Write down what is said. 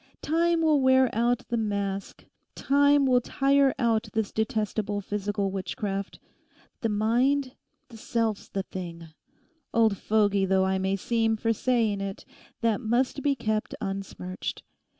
Time will wear out the mask. Time will tire out this detestable physical witchcraft. The mind, the self's the thing. Old fogey though I may seem for saying it—that must be kept unsmirched.